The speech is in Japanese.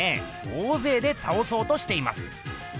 大ぜいでたおそうとしています。